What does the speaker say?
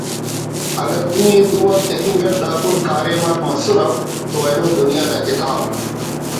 اگہ دو ءِ دوآ تخنگ اٹ دا کل کاریمک مسرہ تو اینو دنیا نا کتاب